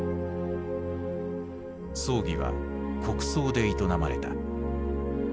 葬儀は国葬で営まれた。